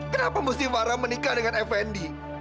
kenapa mesti farah menikah dengan fnd